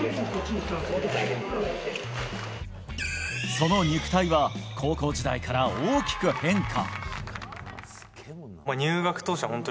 その肉体は高校時代から大きく変化。